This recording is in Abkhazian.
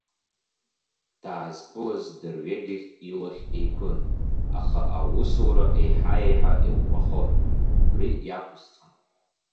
Даазқәылаз дырҩегьых илахь еиқәын, аха аусура еиҳа-еиҳа иӷәӷәахон, убри иақәысҵон.